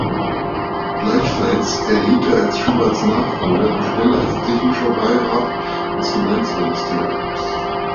Gleichfalls erhielt er als Schuberts Nachfolger die Stelle als Technischer Beirat des Finanzministeriums.